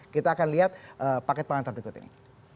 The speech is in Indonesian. kita akan lihat paket pengantar berikut ini